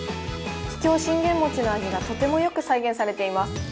桔梗信玄餅の味がとてもよく再現されています。